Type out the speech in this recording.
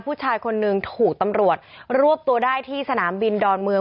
ผู้ชายคนนึงถูกตำรวจรวบตัวได้ที่สนามบินดอนเมือง